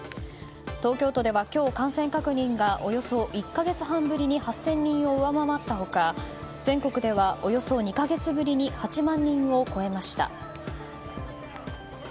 東京都では今日、感染確認がおよそ１か月半ぶりに８０００人を上回った他全国では、およそ２か月ぶりに８万人を超えました。